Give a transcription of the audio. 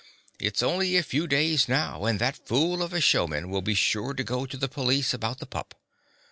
" It 's only a few days now, and that fool of a showman will be sure to go to the police about the pup."